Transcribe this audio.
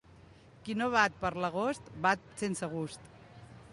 Qui no bat per l'agost, bat sense gust.